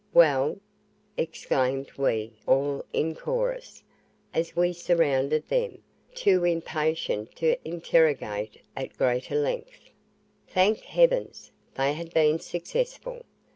"Well?" exclaimed we all in chorus, as we surrounded them, too impatient to interrogate at greater length. Thank Heavens! they had been successful!